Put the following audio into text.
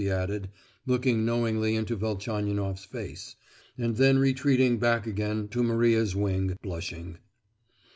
she added, looking knowingly into Velchaninoff's face, and then retreating back again to Maria's wing, blushing.